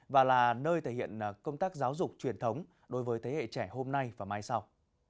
và là nơi thể hiện công tác giáo dục truyền thống đối với thế hệ trẻ hôm nay và mai sau